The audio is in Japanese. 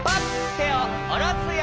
てをおろすよ。